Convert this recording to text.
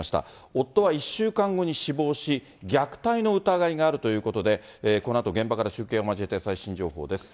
夫は１週間後に死亡し、虐待の疑いがあるということで、このあと現場から中継を交えて最新情報です。